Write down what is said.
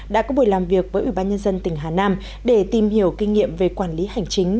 đã có buổi làm việc với ủy ban nhân dân tỉnh hà nam để tìm hiểu kinh nghiệm về quản lý hành chính